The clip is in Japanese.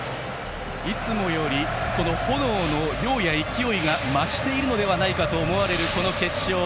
いつもよりこの炎の量や勢いが増しているのではないかと思われるこの決勝。